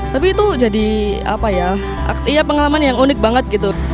tapi itu jadi pengalaman yang unik banget